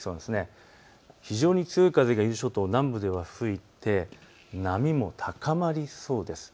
非常に強い風が伊豆諸島南部では吹いて、波も高まりそうです。